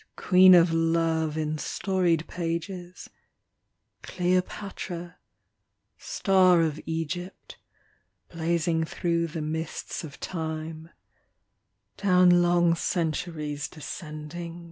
Queen of love in storied pages, — Cleopatra, — star of Egypt, — blazing through the mists of time ; Down long centuries descending.